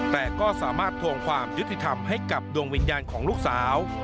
แต่ก็สามารถทวงความยุติธรรมให้กับดวงวิญญาณของลูกสาว